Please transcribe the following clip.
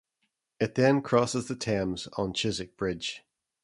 It then crosses the Thames on Chiswick Bridge.